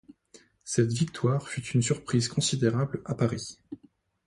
Cette victoire fut une surprise considérable à Paris.